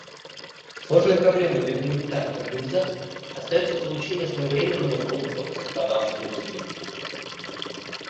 Сложной проблемой для гуманитарных организаций остается получение своевременного доступа к пострадавшему населению.